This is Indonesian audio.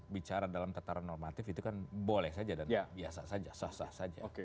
bicara dalam tataran normatif itu kan boleh saja dan biasa saja sah sah saja